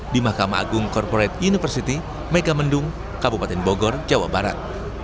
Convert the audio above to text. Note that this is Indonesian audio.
di mahkamah agung corporate university megamendung kabupaten bogor jawa barat